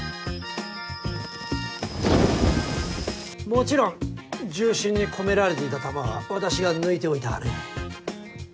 もちろん銃身に込められていた弾は私が抜いておいたがね。